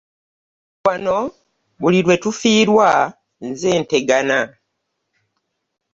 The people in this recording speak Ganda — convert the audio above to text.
Wano buli lwe tufiirwa nze ntegana.